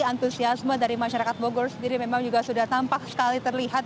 jadi antusiasme dari masyarakat bogor sendiri memang juga sudah tampak sekali terlihat